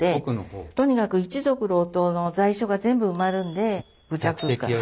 とにかく一族郎党の在所が全部埋まるんで。